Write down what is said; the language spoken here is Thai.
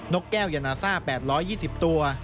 กแก้วยานาซ่า๘๒๐ตัว